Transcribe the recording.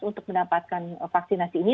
untuk mendapatkan vaksinasi ini